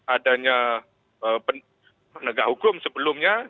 adanya penegak hukum sebelumnya